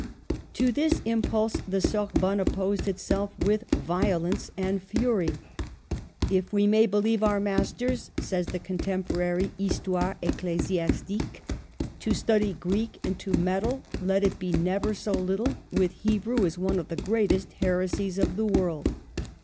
To this impulse the Sorbonne opposed itself with violence and fury. *' If we may believe our masters " says the contemporary " Histoire Ecclesiastique," " to study Greek and to meddle, let it be never so little, with Hebrew, is one of the greatest heresies of the world."